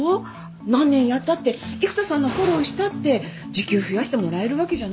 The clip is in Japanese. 何年やったって育田さんのフォローをしたって時給増やしてもらえるわけじゃない。